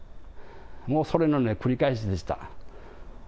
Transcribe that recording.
もうそれの繰り返しでした。